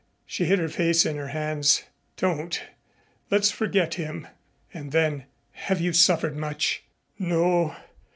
She hid her face in her hands. "Don't! Let's forget him." And then, "Have you suffered much?" "No.